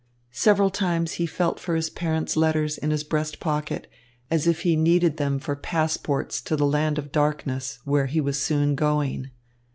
Several times he felt for his parents' letters in his breast pocket, as if he needed them for passports to the land of darkness, where he was soon going.